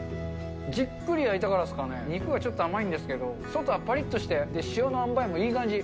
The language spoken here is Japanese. じっくり焼いたからですかね、肉はちょっと甘いんですけど、外はぱりっとして、塩の塩梅もいい感じ。